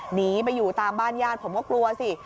หนีไปอยู่ตามบ้านญาติผมก็กลัวสิ